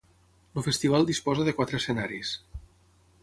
El festival disposa de quatre escenaris.